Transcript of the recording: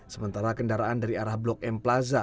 sementara kendaraan dari arah blok m plaza